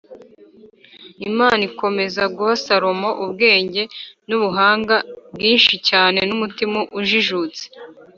Imana ikomeza guha Salomo ubwenge k n ubuhanga l bwinshi cyane n umutima ujijutse